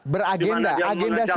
beragenda agenda siap